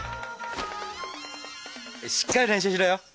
しっかり練習しろよ。